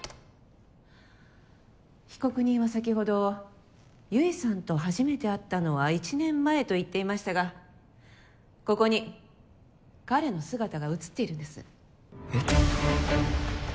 被告人は先ほど結衣さんと初めて会ったのは１年前と言っていましたがここに彼の姿が映っているんです。え？